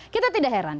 kita tidak heran